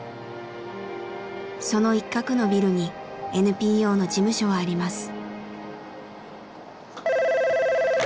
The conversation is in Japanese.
その一角のビルにＮＰＯの事務所はあります。